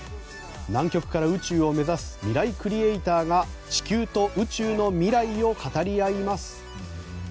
南極から宇宙を目指すミライクリエイターが地球と宇宙の未来を語り合います。